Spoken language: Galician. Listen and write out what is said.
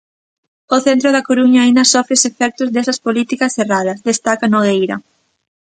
"O centro da Coruña aínda sofre os efectos desas políticas erradas", destaca Nogueira.